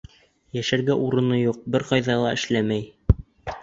Йәшәргә урыны юҡ, бер ҡайҙа ла эшләмәй...